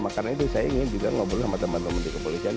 karena itu saya ingin juga ngobrol sama teman teman di kepolisian